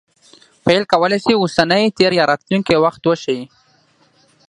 فعل کولای سي اوسنی، تېر یا راتلونکى وخت وښيي.